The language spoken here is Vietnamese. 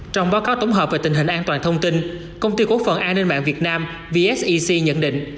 trong báo cáo tổng hợp về tình hình an toàn thông tin công ty cố phận an ninh mạng việt nam vsec nhận định